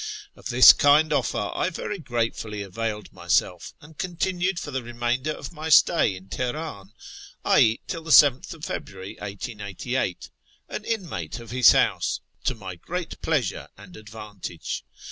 Of this kind offer I very gratefully availed myself, and continued for the remainder of my stay in Teheran {i.e. till 7th February 1888) an inmate of his house, to my great j)leasure and advantage.